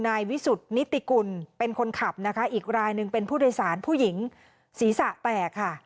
นายวิสุทธิ์นิติกุลเป็นคนขับนะคะอีกรายหนึ่งเป็นผู้โดยสารผู้หญิงศีรษะแตกค่ะ